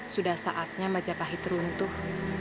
sudah saatnya majapahit runtuh